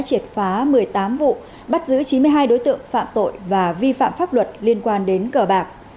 triệt phá một mươi tám vụ bắt giữ chín mươi hai đối tượng phạm tội và vi phạm pháp luật liên quan đến cờ bạc